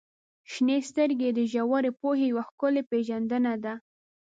• شنې سترګې د ژورې پوهې یوه ښکلې پیژندنه ده.